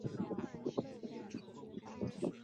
福斯特尔离开苹果多年后没有公开露面。